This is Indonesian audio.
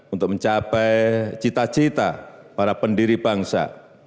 untuk mencapai cita cita para pendiri bangsa